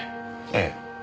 ええ。